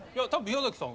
宮崎さん